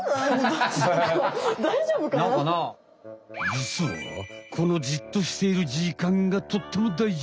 じつはこのじっとしている時間がとってもだいじ。